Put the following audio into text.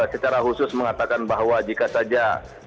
secara khusus mengatakan bahwa jika saja